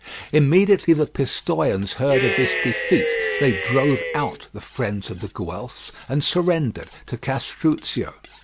Immediately the Pistoians heard of this defeat they drove out the friends of the Guelphs, and surrendered to Castruccio.